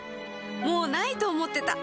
もう無いと思ってた